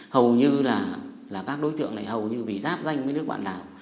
hầu như là các đối tượng này hầu như bị giáp danh với nước bạn đảo